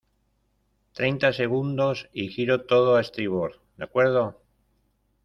treinta segundos y giro todo a estribor, ¿ de acuerdo?